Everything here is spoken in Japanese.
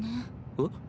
えっ？